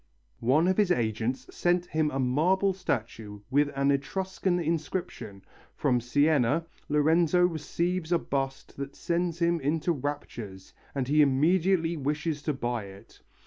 One of his agents sent him a marble statue with an Etruscan inscription; from Siena, Lorenzo receives a bust that sends him into raptures, and he immediately wishes to buy it.